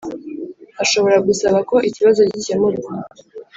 ashobora gusaba ko ikibazo gikemurwa